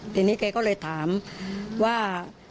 ทีนี้แกก็เลยถามว่า